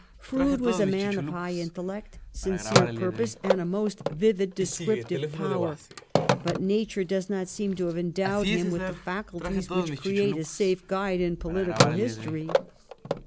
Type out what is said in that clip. Froude was a man of high intellect, sincere purpose, and a most vivid descriptive power; but nature does not seem to have endowed him with the faculties which create a safe guide in poUtical history.